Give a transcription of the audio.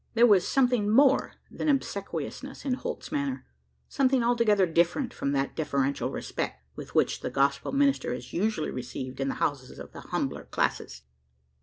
There was something more than obsequiousness in Holt's manner something altogether different from that deferential respect, with which the gospel minister is usually received in the houses of the humbler classes.